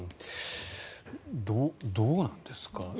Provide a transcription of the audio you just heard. どうなんですか。